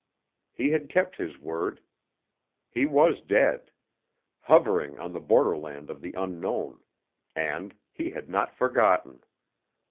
He had kept his word. He was dead; hovering on the borderland of the unknown: and he had not forgotten.